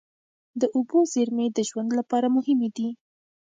د اوبو زیرمې د ژوند لپاره مهمې دي.